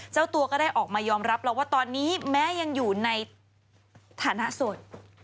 เจ้าตัวก็ได้ออกมายอมรับแล้วว่าตอนนี้แม้ยังอยู่ในฐานะโสด